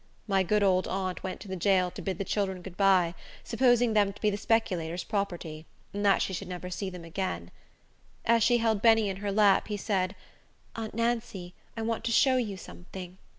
My good old aunt went to the jail to bid the children good by, supposing them to be the speculator's property, and that she should never see them again. As she held Benny in her lap, he said, "Aunt Nancy, I want to show you something."